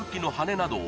など